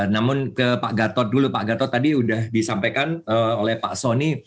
namun ke pak gatot dulu pak gatot tadi sudah disampaikan oleh pak soni